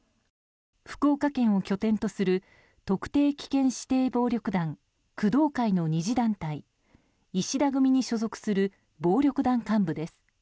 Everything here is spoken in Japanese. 福岡県を拠点とする特定危険指定暴力団工藤会の二次団体石田組に所属する暴力団幹部です。